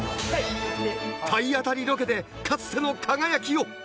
体当たりロケでかつての輝きを！